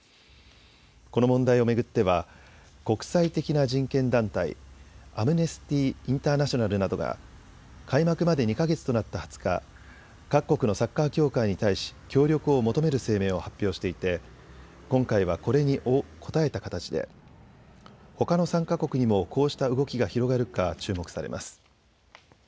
この問題を巡っては国際的な人権団体、アムネスティ・インターナショナルなどが開幕まで２か月となった２０日、各国のサッカー協会に対し協力を求める声明を発表していて今回はこれに応えた形でほかの参加国にもこうした動きが広がるか注目されます。